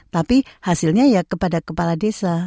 tapi hasilnya ya kepada kepala desa